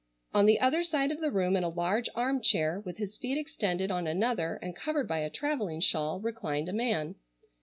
On the other side of the room in a large arm chair, with his feet extended on another and covered by a travelling shawl, reclined a man.